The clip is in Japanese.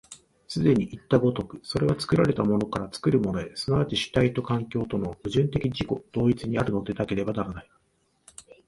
既にいった如く、それは作られたものから作るものへ、即ち主体と環境との矛盾的自己同一にあるのでなければならない。